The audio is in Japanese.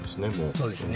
そうですね